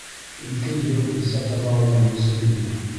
Ике йыл бисә таба алмай йонсой ине.